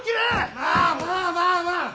まあまあまあまあ。